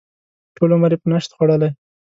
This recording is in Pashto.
ټول عمر یې په نشت خوړلی.